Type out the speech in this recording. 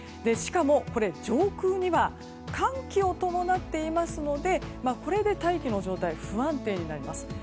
しかも、上空には寒気を伴っていますのでこれで大気の状態が不安定になります。